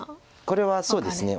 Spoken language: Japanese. これはそうですね